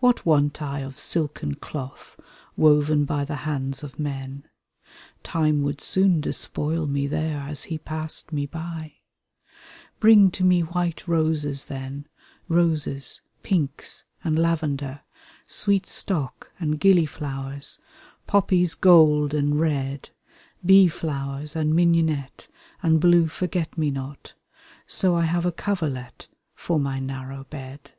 What want I of silken cloth woven by the hands of men? Time would soon despoil me there as he passed me by. THE SAD YEARS THE PATCHWORK QUILT (Continued) Bring to me white roses then, roses, pinks and lavender, Sweet stock and gillyflowers, poppies gold and red, Bee flowers and mignonette and blue forget me not, So I have a coverlet for my narrow bed.